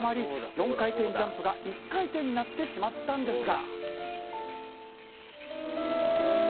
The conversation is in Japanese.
４回転ジャンプが１回転になってしまったんですが。